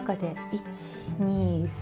１２３。